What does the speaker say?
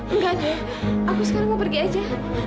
enggak kayak aku sekarang mau pergi aja